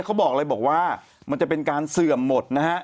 เขาบอกเลยบอกว่ามันจะเป็นการเสื่อมหมดนะฮะ